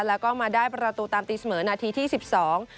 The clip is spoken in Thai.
แล้วก็มาได้ประตูตามตีเสมอนาทีที่สิบสอง